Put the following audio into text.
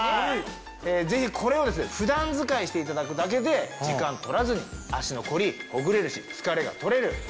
ぜひこれを普段使いしていただくだけで時間取らずに足のコリほぐれるし疲れが取れる。